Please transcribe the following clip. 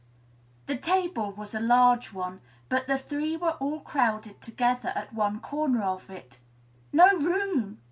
The table was a large one, but the three were all crowded together at one corner of it. "No room!